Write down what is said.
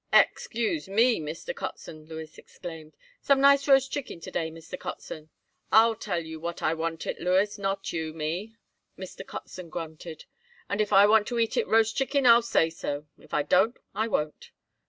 "Ex cuse me, Mr. Kotzen," Louis exclaimed. "Some nice roast chicken to day, Mr. Kotzen?" "I'll tell you what I want it, Louis, not you me," Mr. Kotzen grunted. "If I want to eat it roast chicken I'll say so. If I don't I won't."